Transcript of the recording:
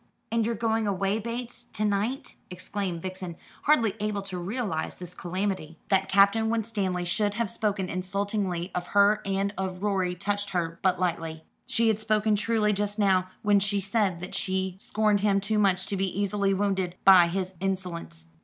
"And you're going away, Bates, to night?" exclaimed Vixen, hardly able to realise this calamity. That Captain Winstanley should have spoken insultingly of her and of Rorie touched her but lightly. She had spoken truly just now when she said that she scorned him too much to be easily wounded by his insolence.